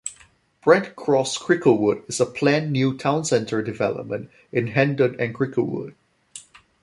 Brent Cross Cricklewood is a planned new town centre development in Hendon and Cricklewood.